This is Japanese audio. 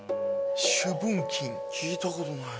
朱文金聞いたことないな。